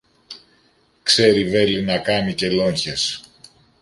ξέρει βέλη να κάνει και λόγχες